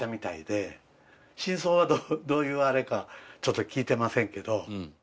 真相はどういうあれかちょっと聞いてませんけど。